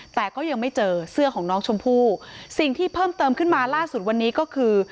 แต่ก็ยังไม่เจอเสื้อของน้องชมพู่สิ่งที่เพิ่มเติมขึ้นมาล่าสุดวันนี้ก็คือ